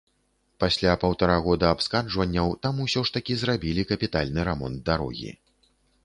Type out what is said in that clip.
Пасля паўтара года абскарджванняў там усё ж такі зрабілі капітальны рамонт дарогі.